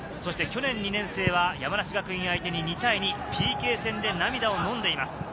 去年、２年生は山梨学院相手に２対２、ＰＫ戦で涙をのんでいます。